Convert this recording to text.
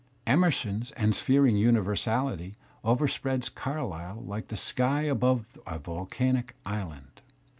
Emerson's ensphering imiversality overspreads Carlyle like the sky above a volcanic island.